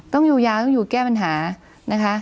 ต้องอยู่ยาวต้องอยู่แก้ปัญหานะคะ